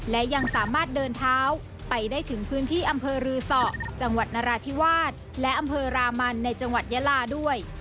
และยังสามารถเดินเท้าไปได้ถึงพื้นที่อำเภอรือสอจังหวัดนราธิวาสและอำเภอรามันในจังหวัดยาลาด้วย